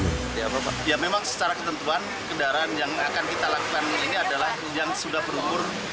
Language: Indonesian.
ya memang secara ketentuan kendaraan yang akan kita lakukan ini adalah yang sudah berumur